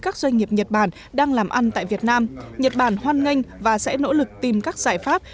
các doanh nghiệp nhật bản đang làm ăn tại việt nam nhật bản hoan nghênh và sẽ nỗ lực tìm các giải pháp